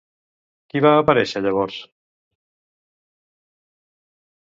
Qui va aparèixer llavors?